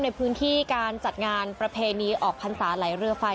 ในพื้นที่การจัดงานประเพณีออกพรรษาไหลเรือไฟ